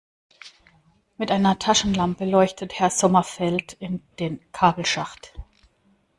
Mit einer Taschenlampe leuchtet Herr Sommerfeld in den Kabelschacht.